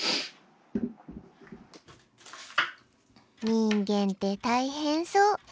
人間って大変そう。